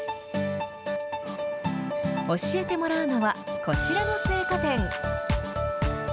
教えてもらうのは、こちらの青果店。